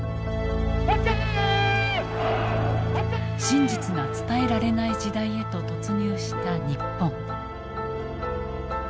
真実が伝えられない時代へと突入した日本。